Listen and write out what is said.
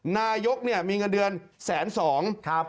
นายกมีเงินเดือน๑๐๒๐๐๐บาท